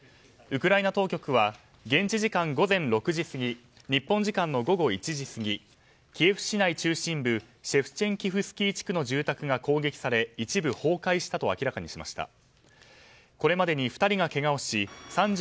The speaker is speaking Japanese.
ウクライナ当局は現地時間午前６時過ぎ日本時間の午後１時過ぎキエフ市内中心部シェフチェンキフスキー地区の住宅が攻撃され一部崩壊したと明らかにしました。